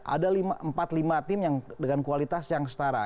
ada empat lima tim yang dengan kualitas yang setara